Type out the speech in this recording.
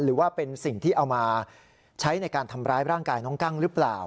หรือว่าเป็นสิ่งที่เอามาใช้ในการทำร้ายร่างกายน้องกั้งหรือเปล่า